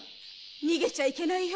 逃げちゃいけないよ。